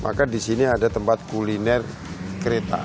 maka disini ada tempat kuliner kereta